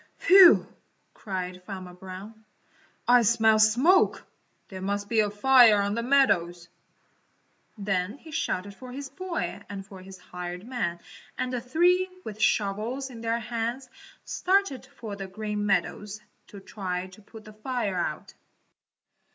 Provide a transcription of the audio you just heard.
"Phew!" cried Farmer Brown, "I smell smoke! There must be a fire on the meadows." Then he shouted for his boy and for his hired man and the three, with shovels in their hands, started for the Green Meadows to try to put the fire out.